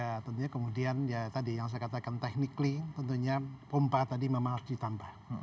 ya tentunya kemudian ya tadi yang saya katakan technically tentunya pompa tadi memang harus ditambah